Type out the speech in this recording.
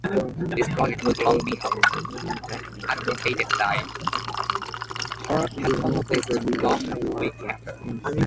This project has long been advocated by herpetologist Rom Whitaker.